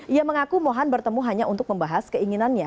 ia mengaku mohon bertemu hanya untuk membahas keinginannya